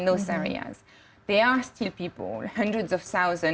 di area yang terkena oleh kegagalan